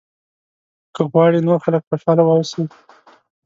که غواړې نور خلک خوشاله واوسي.